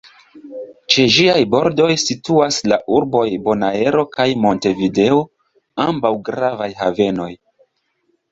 Ĉe ĝiaj bordoj situas la urboj Bonaero kaj Montevideo, ambaŭ gravaj havenoj.